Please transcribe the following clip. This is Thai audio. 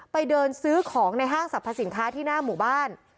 ไปเดินซื้อของในห้างสรรพสินค้าที่หน้าหมู่บ้าน